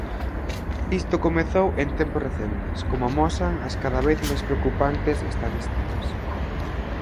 Isto comezou en tempos recentes, como amosan as cada vez máis preocupantes estatísticas.